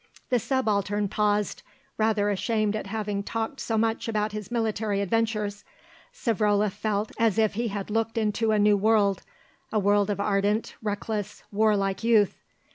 The Subaltern paused, rather ashamed at having talked so much about his military adventures. Savrola felt as if he had looked into a new world, a world of ardent, reckless, warlike youth.